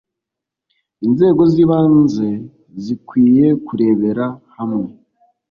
Inzego z ibanze zikwiye kurebera hamwe